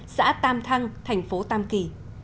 xã tam thăng thành phố tam kỳ